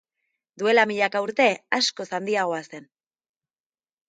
Duela milaka urte, askoz handiagoa zen.